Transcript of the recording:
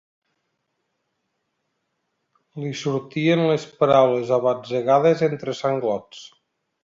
Li sortien les paraules a batzegades entre sanglots.